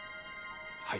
はい。